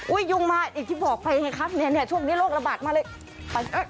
อุ้ยยุงมาอีกที่บอกไปไงครับเนี้ยเนี้ยช่วงนี้โรคระบาดมาเลย